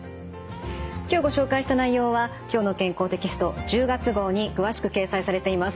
今日ご紹介した内容は「きょうの健康」テキスト１０月号に詳しく掲載されています。